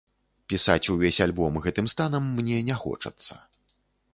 Пісаць увесь альбом гэтым станам мне не хочацца.